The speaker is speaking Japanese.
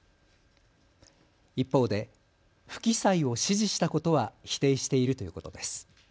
一方で不記載を指示したことは否定しているということです。